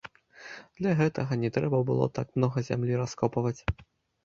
Для гэтага не трэба было так многа зямлі раскопваць.